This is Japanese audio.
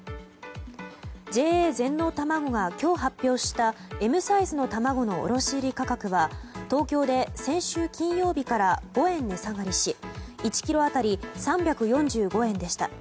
ＪＡ全農たまごが今日発表したＭサイズの卵の卸売価格は東京で先週金曜日から５円値下がりし１ｋｇ当たり３４５円でした。